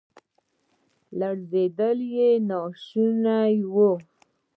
لړزیدل یې ناشوني وو.